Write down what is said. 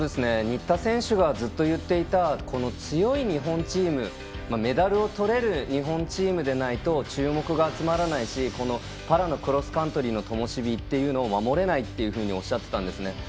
新田選手がずっと言っていた強い日本チームメダルのとれる日本チームでないと注目が集まらないしパラのクロスカントリーのともし火というのを守れないとおっしゃっていたんですね。